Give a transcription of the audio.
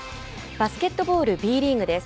バスケットボールＢリーグです。